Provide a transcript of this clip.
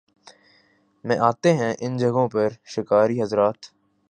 میں آتے ہیں ان جگہوں پر شکاری حضرات